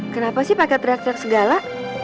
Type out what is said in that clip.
kenapa sih pakai track segala